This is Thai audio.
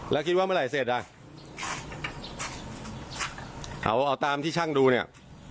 แล้วคิดว่าเมื่อไหร่เสร็จอ่ะเอาเอาตามที่ช่างดูเนี่ย